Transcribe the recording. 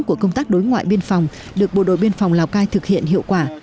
của công tác đối ngoại biên phòng được bộ đội biên phòng lào cai thực hiện hiệu quả